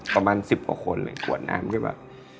ประมาณ๑๐กว่าคนเลยขวดน้ำก็แบบ